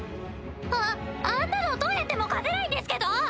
ああんなのどうやっても勝てないんですけど！